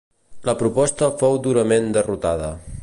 La proposta fou durament derrotada.